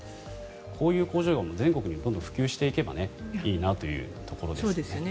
こういう工場が全国に普及していけばいいなというところですね。